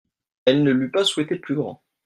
Elle ne l'eût pas souhaité plus grand.